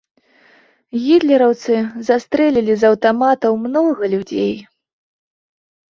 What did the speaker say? Гітлераўцы застрэлілі з аўтаматаў многа людзей.